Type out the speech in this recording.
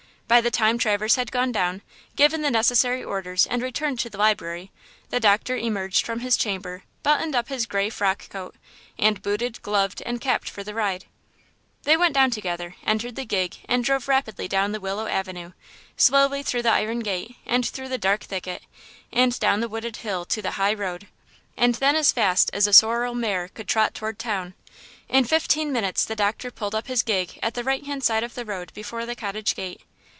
By the time Traverse had gone down, given the necessary orders and returned to the library the doctor emerged from his chamber, buttoned up his gray frock coat and booted, gloved and capped for the ride. They went down together, entered the gig and drove rapidly down the willow avenue, slowly through the iron gate and through the dark thicket and down the wooded hill to the high road, and then as fast as the sorrel mare could trot toward town. In fifteen minutes the doctor pulled up his gig at the right hand side of the road before the cottage gate.